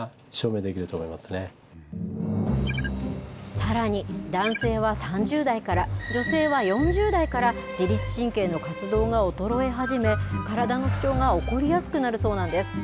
さらに、男性は３０代から、女性は４０代から、自律神経の活動が衰え始め、体の不調が起こりやすくなるそうなんです。